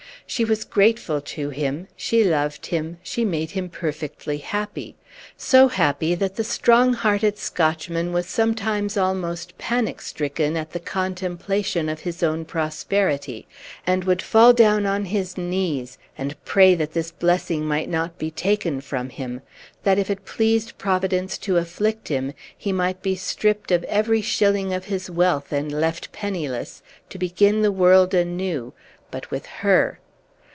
She was grateful to him, she loved him, she made him perfectly happy so happy that the strong hearted Scotchman was sometimes almost panic stricken at the contemplation of his own prosperity, and would fall down on his knees and pray that this blessing might not be taken from him; that, if it pleased Providence to afflict him, he might be stripped of every shilling of his wealth, and left penniless, to begin the world anew but with her.